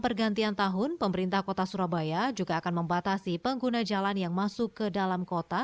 pergantian tahun pemerintah kota surabaya juga akan membatasi pengguna jalan yang masuk ke dalam kota